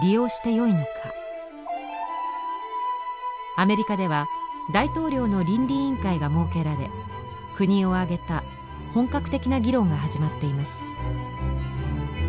アメリカでは大統領の倫理委員会が設けられ国を挙げた本格的な議論が始まっています。